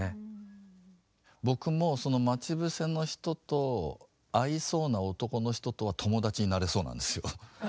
僕もその「まちぶせ」の人と合いそうな男の人とは友達になれそうなんですよ。